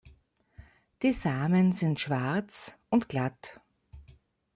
Die Samen sind schwarz und glatt.